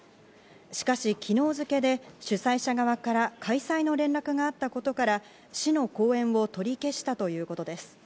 しかし、昨日付で主催者側から開催の連絡があったことから、市の後援を取り消したということです。